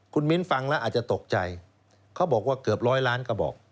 คุณมิ้นฟังแล้วอาจจะตกใจเขาบอกว่าเกือบร้อยล้านกระบอก